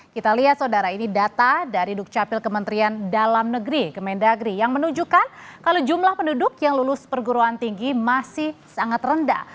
kita lihat saudara ini data dari dukcapil kementerian dalam negeri kemendagri yang menunjukkan kalau jumlah penduduk yang lulus perguruan tinggi masih sangat rendah